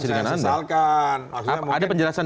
sesalkan ada penjelasan